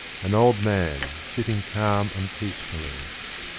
An old man sitting cairn and peacefull)'.